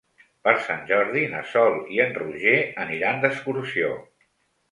Per Sant Jordi na Sol i en Roger aniran d'excursió.